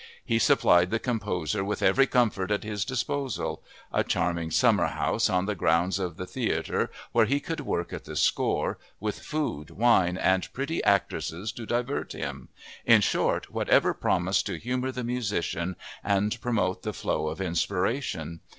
He supplied the composer with every comfort at his disposal—a charming summerhouse on the grounds of the theater where he could work at the score, with food, wine, and pretty actresses to divert him—in short, whatever promised to humor the musician and promote the flow of inspiration.